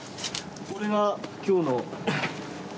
これが今日の。